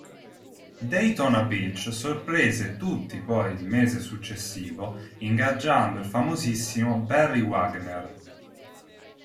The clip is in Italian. Daytona Beach sorprese tutti poi il mese successivo ingaggiando il famosissimo Barry Wagner.